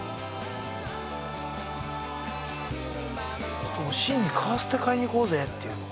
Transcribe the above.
「ちょっとおしんにカーステ買いに行こうぜ」って言うのか。